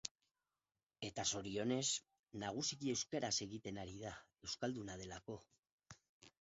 Eta zorionez, nagusiki euskaraz egiten ari da, euskalduna delako.